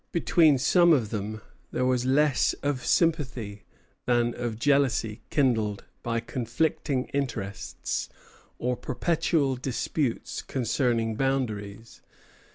Between some of them there was less of sympathy than of jealousy kindled by conflicting interests or perpetual disputes concerning boundaries.